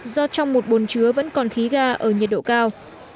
do trong một bồn chứa vẫn còn khí ga ở nhiệt độ cao